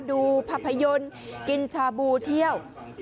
ดูภาพยนตร์กินชาบูเที่ยว